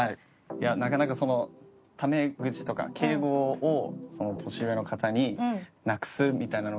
いやなかなかタメ口とか敬語を年上の方になくすみたいなのが。